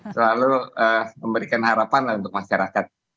selalu memberikan harapan lah untuk masyarakat